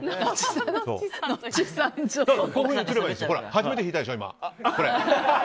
初めて引いたでしょ、カメラ。